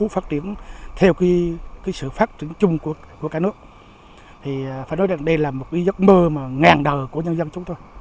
phải nói rằng đây là một giấc mơ mà ngàn đời của nhân dân chúng tôi